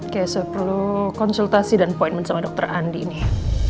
kesep perlu konsultasi dan appointment sama dokter andi nih